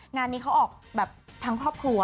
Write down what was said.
งานนี้เขาออกแบบทั้งครอบครัว